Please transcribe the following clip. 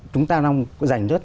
chúng ta đang dành